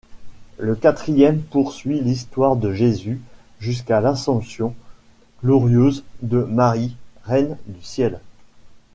Le quatrième poursuit l'histoire de Jésus jusqu'à l'assomption glorieuse de Marie, reine du ciel.